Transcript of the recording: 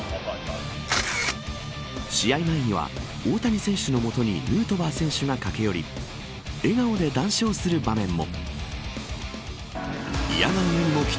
試合前には大谷選手の元にヌートバー選手が駆け寄り笑顔で談笑する場面も。